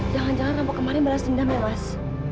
jangan jangan mampu kemarin balas dendam ya mas